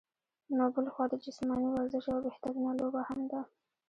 نو بلخوا د جسماني ورزش يوه بهترينه لوبه هم ده